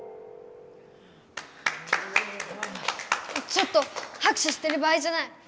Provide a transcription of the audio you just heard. ちょっと！はくしゅしてる場合じゃない！